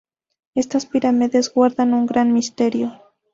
Estas pirámides guardan un gran misterio.